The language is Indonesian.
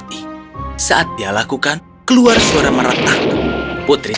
daannya kita merasa merasa leluhur